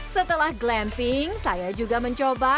setelah glamping saya juga mencoba